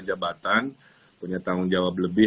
jabatan punya tanggung jawab lebih